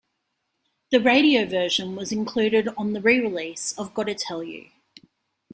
The radio version was included on the re-release of "Gotta Tell You".